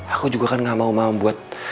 aku juga kan gak mau mau buat